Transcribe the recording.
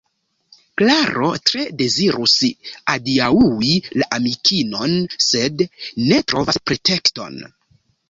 Klaro tre dezirus adiaŭi la amikinon, sed ne trovas pretekston.